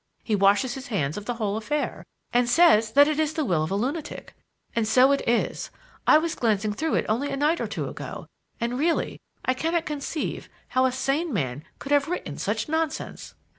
He washes his hands of the whole affair, and says that it is the will of a lunatic. And so it is, I was glancing through it only a night or two ago, and really I cannot conceive how a sane man could have written such nonsense."